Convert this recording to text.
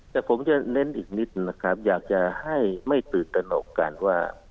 แต่ผมจะเน้นอีกนิดนะครับอยากจะให้ไม่ตื่นตนกกันว่า